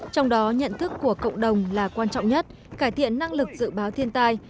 trong đó nhận thức của cộng đồng là quan trọng nhất cải thiện năng lực dự báo thiên tai